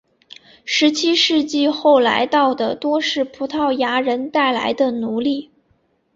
十七世纪后来到的多是葡萄牙人带来的奴隶。